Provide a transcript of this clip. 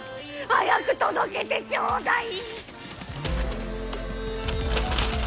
早く届けてちょうだい！